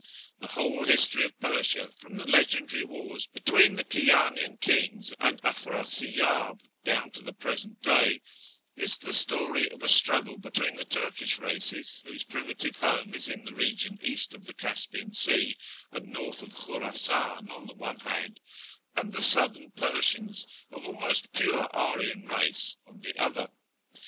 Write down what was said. The whole history of Persia, from the legendary wars between the Kiyanian kings and Afrasiyab down to the present day, is the story of a struggle between the Turkish races whose primitive home is in the region east of the Caspian Sea and north of Khurasan on the one hand, and the southern Persians, of almost pure Aryan race, on the other.